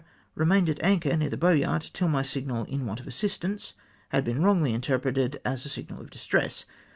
remained at anchor near the Boyart, till my signal '• In want of assistance," had been wrongly interpreted as a signal of " distress."